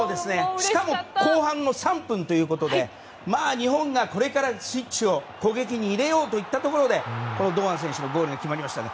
しかも後半の３分ということで日本がこれからスイッチを攻撃に入れようといったところでこの堂安選手のゴールが決まりましたね。